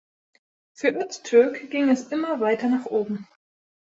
Für Öztürk ging es immer weiter nach oben.